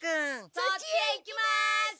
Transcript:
そっちへ行きます！